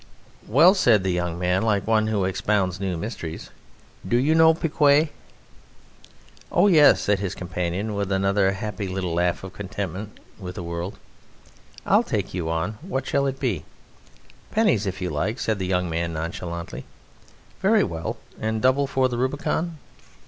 "Well," said the young man like one who expounds new mysteries, "do you know piquet?" "Oh, yes," said his companion with another happy little laugh of contentment with the world. "I'll take you on. What shall it be?" "Pennies if you like," said the young man nonchalantly. "Very well, and double for the Rubicon."